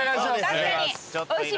確かに。